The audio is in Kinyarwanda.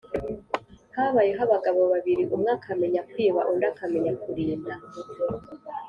Habayeho abagabo babiri, umwe akamenya kwiba undi akamenya kurinda